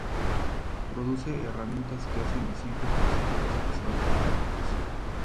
Produce herramientas que hacen "visibles" los sitios utilizados por la represión.